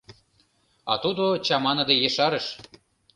А тудо чаманыде ешарыш: